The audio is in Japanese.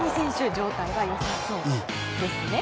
状態は良さそうですね。